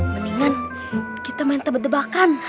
mendingan kita main tebet tebakan